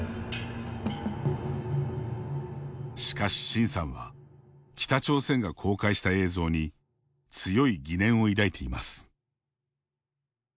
しかし、シンさんは北朝鮮が公開した映像に強い疑念を抱いています。